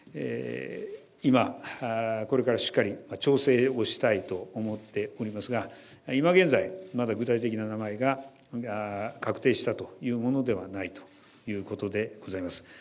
今、これからしっかり調整をしたいと思っておりますが、今現在、まだ具体的な名前が確定したというものではないということでございます。